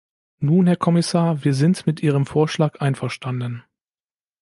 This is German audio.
Nun, Herr Kommissar, wir sind mit Ihrem Vorschlag einverstanden.